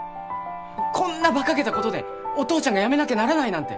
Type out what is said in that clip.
こんなバカげたことでお父ちゃんが辞めなきゃならないなんて！